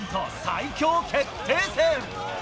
最強決定戦。